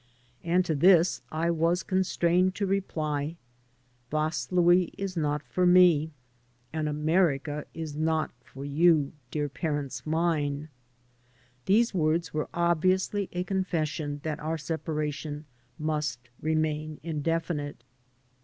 And to this I was constrained to reply, "Vaslui is not for me, and America is not for you, dear parents mine." These words were obviously a confes sion that our separation must remain indefinite.